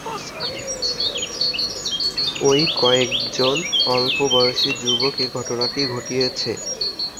ঐ কয়েকজন অল্প বয়সী যুবক এ ঘটনাটি ঘটিয়েছে।